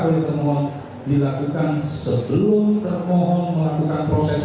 sebagai yang akan ditentukan pasal satu ratus delapan puluh empat